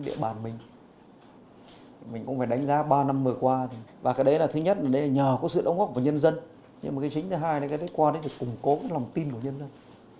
điện bản mình mình cũng phải đánh giá ba năm vừa qua và cái đấy là thứ nhất là nhờ có sự ống gốc của nhân dân nhưng mà cái chính thứ hai là cái đấy qua đấy là củng cố lòng tin của nhân dân